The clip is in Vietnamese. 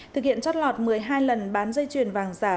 thực hiện trót lọt một mươi hai lần bán dây chuyền vàng giả